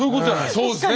そうですね！